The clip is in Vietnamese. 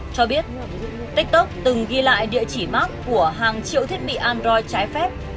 cho biết tiktok từng ghi lại địa chỉ mark của hàng triệu thiết bị android trái phép